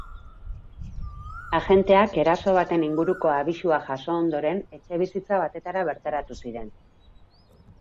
Agenteak eraso baten inguruko abisua jaso ondoren etxebizitza batetara bertaratu ziren.